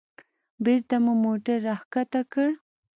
بېرته مو موټر راښکته کړ.